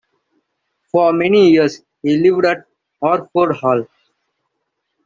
For many years he lived at Orford Hall.